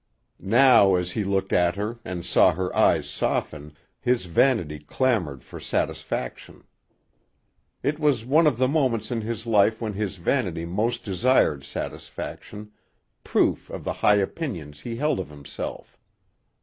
Now as he looked at her and saw her eyes soften, his vanity clamored for satisfaction. It was one of the moments in his life when his vanity most desired satisfaction, proof of the high opinions he held of himself.